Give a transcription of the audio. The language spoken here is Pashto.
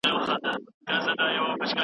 پۀ ازلي برخو یې نه یم